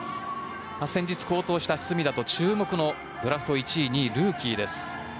先日、好投した隅田と注目のドラフト１位、２位のルーキーです。